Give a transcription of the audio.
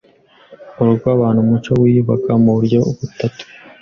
urugo w’ebentu, umuco wiyubeke mu buryo butetu